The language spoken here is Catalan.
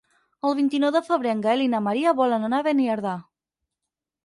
El vint-i-nou de febrer en Gaël i na Maria volen anar a Beniardà.